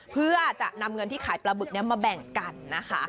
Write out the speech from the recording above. เพื่อจะนำเงินที่ขายปลาบึกนี้มาแบ่งกันนะคะ